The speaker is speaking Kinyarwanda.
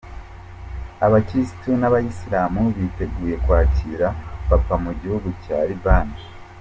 Abakirisitu n’Abayisilamu biteguye kwakira Papa Mugihugu Cya Ribani